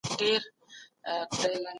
علم د ټولنیزو ستونزو د حل لپاره لار پیدا کوي.